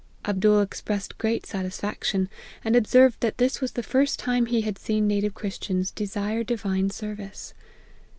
Abdool expressed great satisfaction, and observed that this was the first time he had seen native Christians desire divine service.